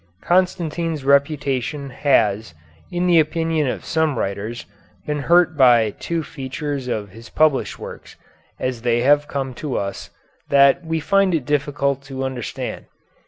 Constantine's reputation has, in the opinion of some writers, been hurt by two features of his published works, as they have come to us, that we find it difficult to understand.